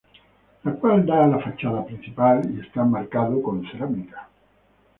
La cual da a la fachada principal y está enmarcado con cerámica.